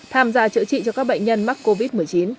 tham gia chữa trị cho các bệnh nhân mắc covid một mươi chín